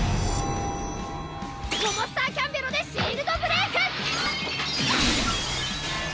モモスターキャンベロでシールドブレイク！